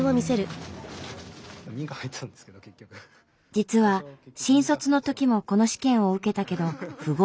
実は新卒のときもこの試験を受けたけど不合格に。